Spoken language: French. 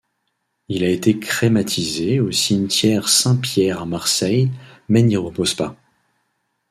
Il a été crématisé au cimetiére Saint-Pierre à Marseille mais n'y repose pas.